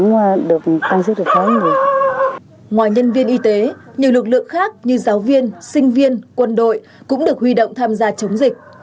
ngoài nhân viên y tế nhiều lực lượng khác như giáo viên sinh viên quân đội cũng được huy động tham gia chống dịch